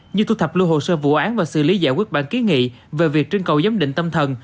như thu thập lưu hồ sơ vụ án và xử lý giải quyết bản kiến nghị về việc trưng cầu giám định tâm thần